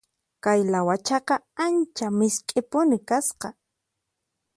Kay lawachaqa ancha misk'ipuni kasqa.